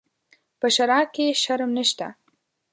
په شرعه کې شرم نشته.